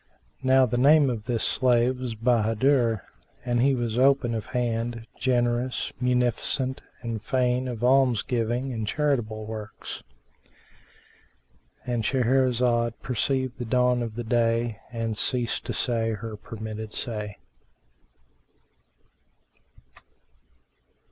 Now the name of this slave was Bahádur,[FN#389] and he was open of hand, generous, munificent and fain of alms giving and charitable works.—And Shahrazad perceived the dawn of day and ceased to say her permitted say.